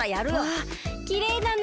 わあきれいだね。